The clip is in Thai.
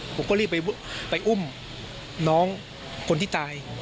ผมก็รีบไปอุ้มน้องคนที่ตาย